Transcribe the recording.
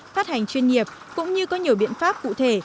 phát hành chuyên nghiệp cũng như có nhiều biện pháp cụ thể